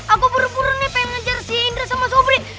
aku buru buru nih pengen ngejar si indra sama sobri